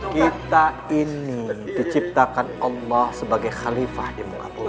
kita ini diciptakan allah sebagai khalifah di muka